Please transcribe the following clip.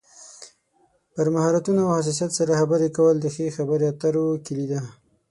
پر مهارتونو او حساسیت سره خبرې کول د ښې خبرې اترو کلي ده.